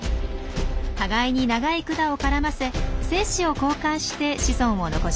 互いに長い管を絡ませ精子を交換して子孫を残します。